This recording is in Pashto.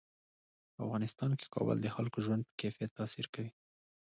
په افغانستان کې کابل د خلکو د ژوند په کیفیت تاثیر کوي.